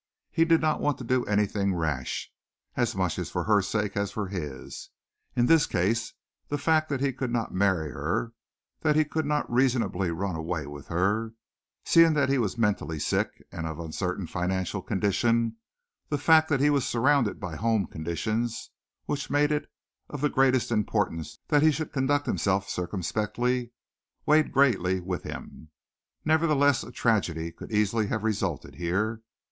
He did not want to do anything rash as much for her sake as for his. In this case, the fact that he could not marry her, that he could not reasonably run away with her, seeing that he was mentally sick and of uncertain financial condition, the fact that he was surrounded by home conditions which made it of the greatest importance that he should conduct himself circumspectly, weighed greatly with him. Nevertheless a tragedy could easily have resulted here.